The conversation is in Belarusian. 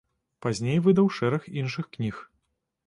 Пазней выдаў шэраг іншых кніг.